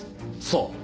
そう。